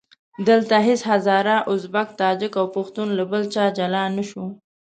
دلته هېڅ هزاره، ازبک، تاجک او پښتون له بل چا جلا نه شو.